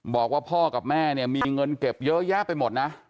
บอกว่าพ่อกับแม่เนี่ยมีเงินเก็บเยอะแยะไปหมดนะ